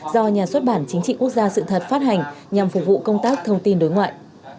do nhà xuất bản chính trị quốc gia sự thật phát hành nhằm phục vụ công tác thông tin đối ngoại